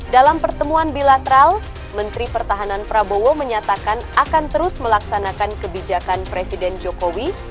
dalam pertemuan bilateral menteri pertahanan prabowo menyatakan akan terus melaksanakan kebijakan presiden jokowi